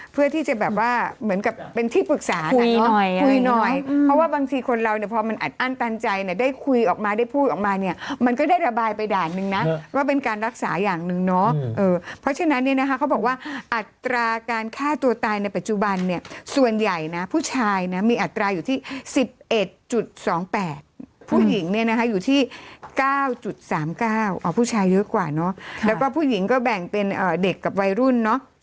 เพื่อที่จะแบบว่าเหมือนกับเป็นที่ปรึกษาคุยหน่อยเพราะว่าบางทีคนเราเนี่ยพอมันอันตันใจเนี่ยได้คุยออกมาได้พูดออกมาเนี่ยมันก็ได้ระบายไปด่านนึงนะว่าเป็นการรักษาอย่างนึงเนาะเพราะฉะนั้นเนี่ยนะคะเขาบอกว่าอัตราการฆ่าตัวตายในปัจจุบันเนี่ยส่วนใหญ่นะผู้ชายนะมีอัตราอยู่ที่๑๑๒๘ผู้หญิงเนี่ยนะคะอย